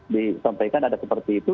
disampaikan ada seperti itu